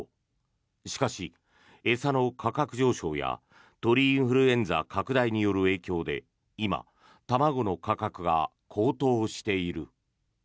しかし、餌の価格上昇や鳥インフルエンザ拡大による影響で今、卵の価格が高騰している。